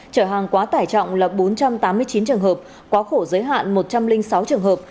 trở hàng quá tải trọng là bốn trăm tám mươi chín trường hợp quá khổ giới hạn một trăm linh sáu trường hợp